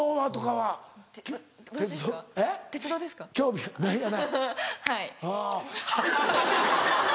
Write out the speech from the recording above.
はい。